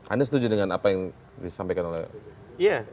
anda setuju dengan apa yang disampaikan oleh pak serto